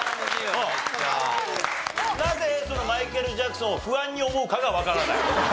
なぜマイケル・ジャクソンを不安に思うかがわからない。